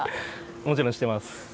もちろん知ってます。